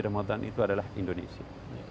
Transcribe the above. ramadan itu adalah indonesia